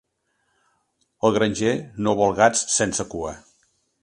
El granger no vol gats sense cua.